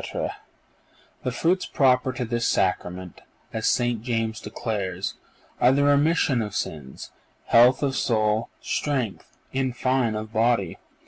_ The fruits proper to this Sacrament, as St. James declares, are the remission of sins, health of soul, strength—in fine, of body.